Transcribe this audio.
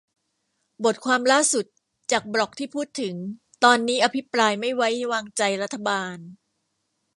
บทความล่าสุด จากบล็อกที่พูดถึงตอนนี้ อภิปรายไม่ไว้วางใจรัฐบาล